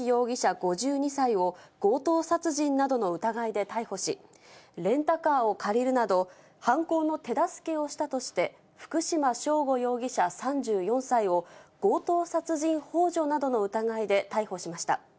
５２歳を、強盗殺人などの疑いで逮捕し、レンタカーを借りるなど、犯行の手助けをしたとして福島聖悟容疑者３４歳を、強盗殺人ほう助などの疑いで逮捕しました。